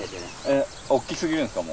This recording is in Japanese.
えっおっきすぎるんですか？